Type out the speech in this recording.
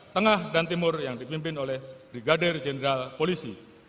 tengah dan timur yang dipimpin oleh brigadir jenderal polisi